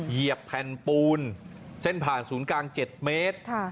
เหยียบแผ่นปูนเส้นผ่านศูนย์กลาง๗เมตร